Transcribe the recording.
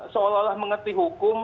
seolah olah mengerti hukum